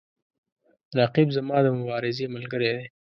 رقیب زما د مبارزې ملګری دی